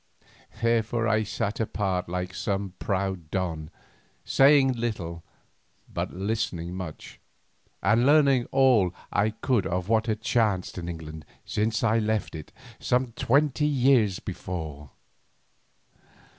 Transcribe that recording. Therefore I sat apart like some proud don, saying little but listening much, and learning all I could of what had chanced in England since I left it some twenty years before.